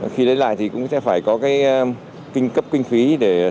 khi lấy lại thì cũng sẽ phải có cái kinh cấp kinh phí để sửa